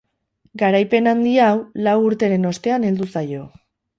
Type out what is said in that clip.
Garaipen handi hau lau urteren ostean heldu zaio.